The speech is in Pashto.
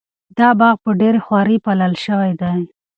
دا باغ په ډېره خواري پالل شوی دی.